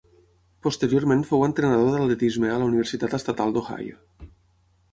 Posteriorment fou entrenador d'atletisme a la Universitat Estatal d'Ohio.